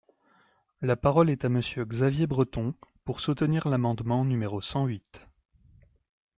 La parole est à Monsieur Xavier Breton, pour soutenir l’amendement numéro cent huit.